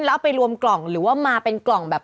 แล้วเอาไปรวมกล่องหรือว่ามาเป็นกล่องแบบ